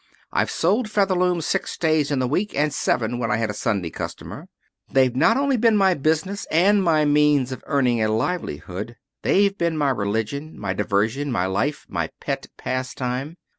I've sold Featherlooms six days in the week, and seven when I had a Sunday customer. They've not only been my business and my means of earning a livelihood, they've been my religion, my diversion, my life, my pet pastime.